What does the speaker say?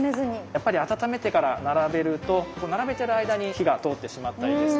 やっぱり温めてから並べると並べてる間に火が通ってしまったりですとか